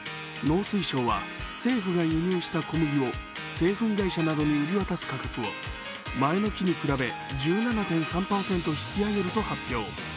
農水省は政府が輸入した小麦を製粉会社などに売り渡す価格を前の期に比べ１７．３％引き上げると発表。